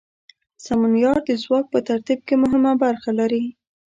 سمونیار د ځواک په ترتیب کې مهمه برخه لري.